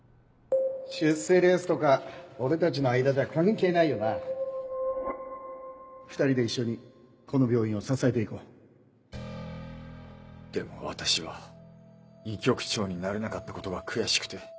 出世レースとか俺たちの間じ２人で一緒にこの病院を支えていこうでも私は医局長になれなかったことが悔しくて。